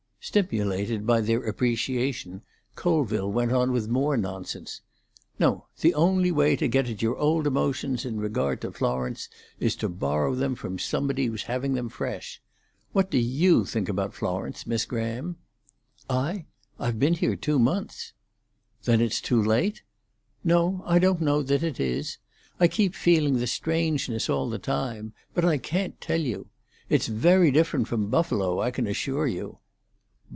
Stimulated by their appreciation, Colville went on with more nonsense. "No; the only way to get at your old emotions in regard to Florence is to borrow them from somebody who's having them fresh. What do you think about Florence, Miss Graham?" "I? I've been here two months." "Then it's too late?" "No, I don't know that it is. I keep feeling the strangeness all the time. But I can't tell you. It's very different from Buffalo, I can assure you."